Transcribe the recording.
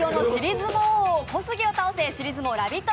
相撲王小杉を倒せ、尻相撲ラヴィット！